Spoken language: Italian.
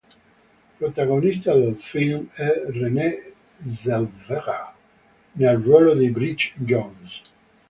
Protagonista del film è Renée Zellweger nel ruolo di Bridget Jones.